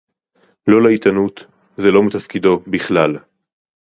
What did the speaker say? לא לעיתונות; זה לא מתפקידו בכלל